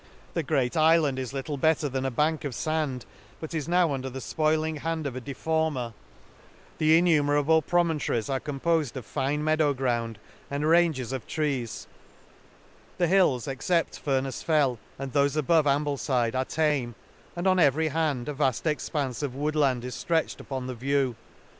— The great illand is little better than a bank of fand, bu£ is now under the fpoiling hand of a defarmer, — The innumerable pro montories are compofed of fine meadow ground, and ranges of trees ;— the hills except Furnefs Fell, and thofe above Amr 182' An Excursion td Amblcftde, are tame; and on every hand a vaft expanfe of wood land is ftretched upon the view.